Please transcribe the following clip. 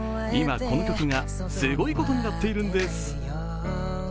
今、この曲がすごいことになっているんです。